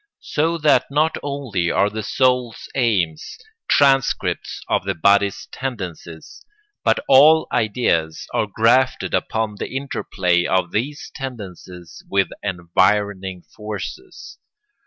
So that not only are the soul's aims transcripts of the body's tendencies, but all ideas are grafted upon the interplay of these tendencies with environing forces.